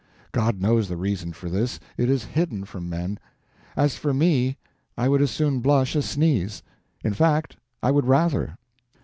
God knows the reason for this, it is hidden from men. As for me, I would as soon blush as sneeze; in fact, I would rather.